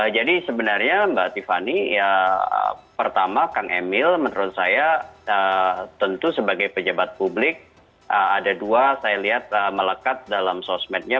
jadi sebenarnya mbak tiffany pertama kang emil menurut saya tentu sebagai pejabat publik ada dua saya lihat melekat dalam sosmednya